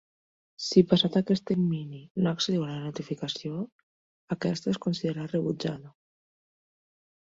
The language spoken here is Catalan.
Si passat aquest termini no accediu a la notificació, aquesta es considerarà rebutjada.